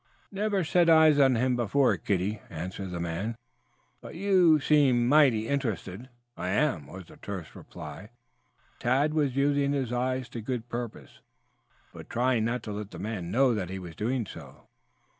"Never sot eyes on him before, kiddie," answered the man. "But you seem mighty interested?" "I am," was the terse reply. Tad was using his eyes to good purpose, but trying not to let the man know that he was doing so.